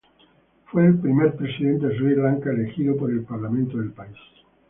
Él fue el primer presidente de Sri Lanka elegido por el parlamento del país.